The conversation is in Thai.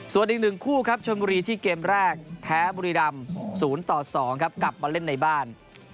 ส่วนอีก๑คู่ครับชนบุรีที่เกมแรกแพ้บุรีรำ๐ต่อ๒ครับกลับมาเล่นในบ้าน